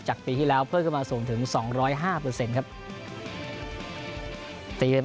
ปีที่แล้วเพิ่มขึ้นมาสูงถึง๒๐๕ครับ